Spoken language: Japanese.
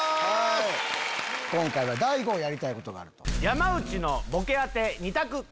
今回は大悟がやりたいことがあると。